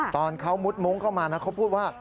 ตอนเขามุดมุ้งเข้ามานะเขาพูดว่า